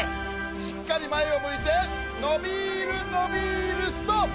しっかりまえをむいてのびるのびるストップ！